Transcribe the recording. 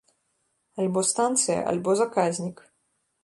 Альбо станцыя, альбо заказнік.